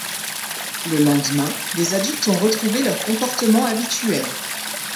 Le lendemain, les adultes ont retrouvé leur comportement habituel.